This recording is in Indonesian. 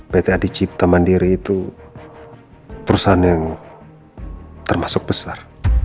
pta di cipta mandiri itu perusahaan yang termasuk besar